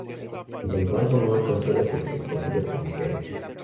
Sin embargo no alcanzó las expectativas iniciales.